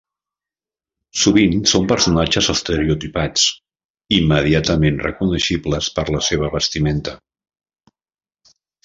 Sovint són personatges estereotipats, immediatament recognoscibles per la seva vestimenta.